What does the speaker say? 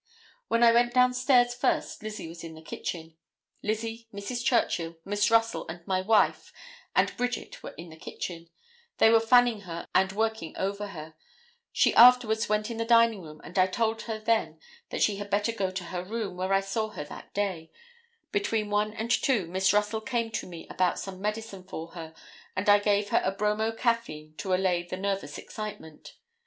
[Illustration: C. C. RUSSELL.] When I went downstairs first Lizzie was in the kitchen; Lizzie, Mrs. Churchill, Miss Russell and my wife and Bridget were in the kitchen; they were fanning her and working over her; she afterwards went in the dining room and I told her then that she had better go to her room, where I saw her that day; between 1 and 2 Miss Russell came to me about some medicine for her and I gave her bromo caffeine to allay the nervous excitement.